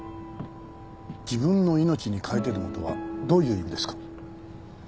「自分の命に代えてでも」とはどういう意味ですか？